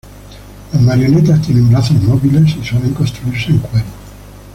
Las marionetas tienen brazos móviles, y suelen construirse en cuero.